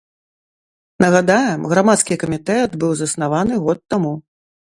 Нагадаем, грамадскі камітэт быў заснаваны год таму.